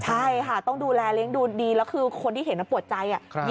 ใช่ค่ะต้องดูแลเลี้ยงดูดีแล้วคือคนที่เห็นปวดใจ